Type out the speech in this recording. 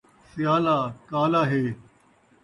سیالا کالا ہے